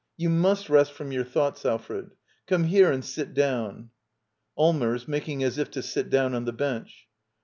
] You must rest from your thoughts, Alfred. Onxie here and sit down. Allmers. [Making as if to sit down on the bench.